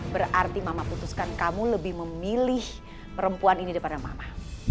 berarti mama putuskan kamu lebih memilih perempuan ini daripada mama